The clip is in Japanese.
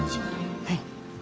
はい。